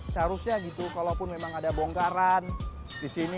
seharusnya gitu kalaupun memang ada bongkaran di sini